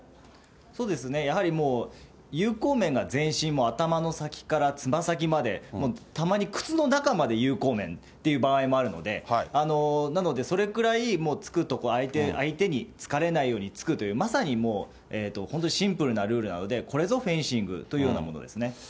そうですね、やはり有効面が全身、もう頭の先からつま先まで、たまに靴の中まで有効面という場合もあるので、なので、それくらい突くとこ、相手に突かれないように突くという、まさに本当にシンプルなルールなので、これぞフェンシングというようなものですね。